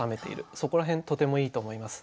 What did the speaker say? そこら辺とてもいいと思います。